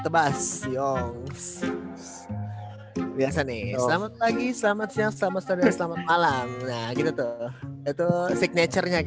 the bus yong biasa nih selamat pagi selamat siang selamat siang selamat malam itu signature nya